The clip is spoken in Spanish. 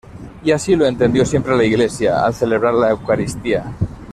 Y así lo entendió siempre la Iglesia: al celebrar la eucaristía.